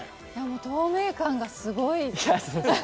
透明感がすごい。